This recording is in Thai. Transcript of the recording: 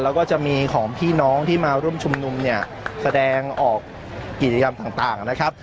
แล้วก็จะมีของพี่น้องที่มาร่วมชุมนุมเนี่ยแสดงออกกิจกรรมต่างนะครับ